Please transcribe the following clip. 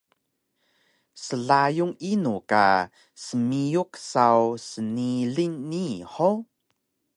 Slayun inu ka smiyuk saw sniling nii hug?